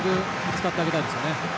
使ってあげたいですよね。